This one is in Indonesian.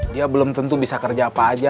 dia belum tentu bisa kerja apa aja